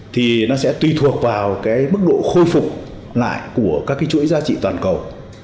thì nó sẽ tùy thuộc vào cái mức độ khôi phục lại của các cái chuỗi giá trị toàn cầu